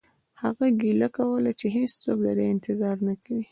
هغه ګیله کوله چې هیڅوک د ده انتظار نه کوي